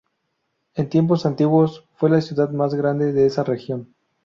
En tiempos antiguos fue la ciudad más grande de esa región.